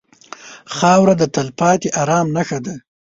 خاوره د تلپاتې ارام نښه ده.